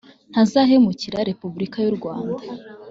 ntazahemukira repubulika y urwanda